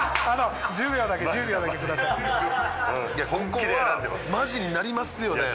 ここはマジになりますよね